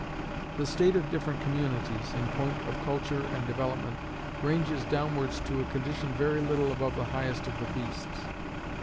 The state of different communities, in point of culture and development, ranges downwards to a condition very little above the highest of the beasts.